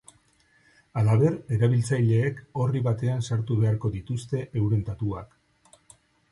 Halaber, erabiltzaileek orri batean sartu beharko dituzte euren datuak.